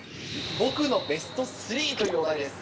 僕のベスト３というお題です。